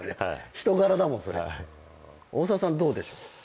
人柄だもんそれ大沢さんどうでしょう？